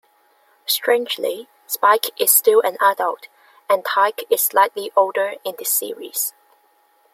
Strangely, Spike is still an adult and Tyke is slightly older in this series.